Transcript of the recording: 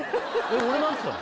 俺何っつったの？